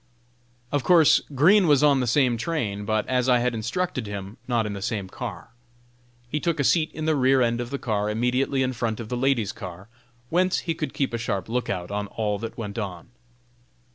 Of course Green was on the same train, but, as I had instructed him, not in the same car. He took a seat in the rear end of the car immediately in front of the ladies' car, whence he could keep a sharp lookout on all that went on.